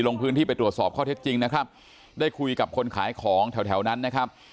ลงพื้นที่ไปตรวจสอบข้อเท็จจริงนะครับได้คุยกับคนขายของแถวแถวนั้นนะครับ